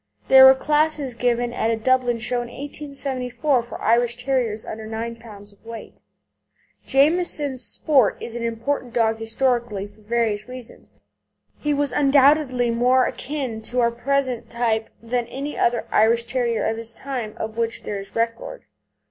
There were classes given at a Dublin show in 1874 for Irish Terriers under 9 lb. weight. Jamison's Sport is an important dog historically, for various reasons. He was undoubtedly more akin to our present type than any other Irish Terrier of his time of which there is record.